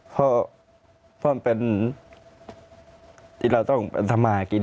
เพราะมันเป็นที่เราต้องทำมากิน